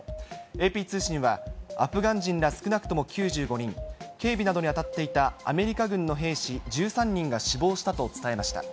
ＡＰ通信は、アフガン人ら少なくとも９５人、警備などに当たっていたアメリカ軍の兵士１３人が死亡したと伝えました。